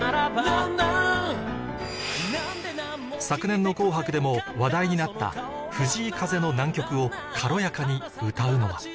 昨年の『紅白』でも話題になった藤井風の難曲を軽やかに歌うのは